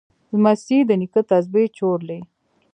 لمسی د نیکه تسبیح چورلي.